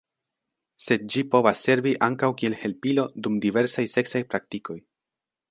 Sed ĝi povas servi ankaŭ kiel helpilo dum diversaj seksaj praktikoj.